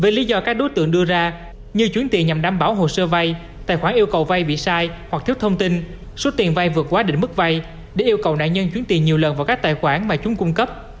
về lý do các đối tượng đưa ra như chuyển tiền nhằm đảm bảo hồ sơ vai tài khoản yêu cầu vai bị sai hoặc thiếu thông tin số tiền vai vượt quá đỉnh mức vai để yêu cầu nạn nhân chuyển tiền nhiều lần vào các tài khoản mà chúng cung cấp